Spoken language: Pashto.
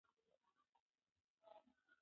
کمپیوټر په ملا باندې را مات شوی و.